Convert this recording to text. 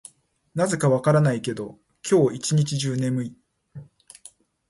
なぜか分からないけど、今日は一日中眠い。